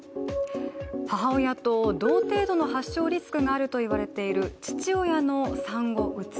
母親と同程度の発症リスクがあるといわれている、父親の産後うつ。